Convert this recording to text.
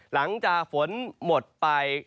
หลังจากฝนหมดไป